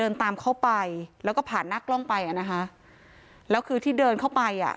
เดินตามเข้าไปแล้วก็ผ่านหน้ากล้องไปอ่ะนะคะแล้วคือที่เดินเข้าไปอ่ะ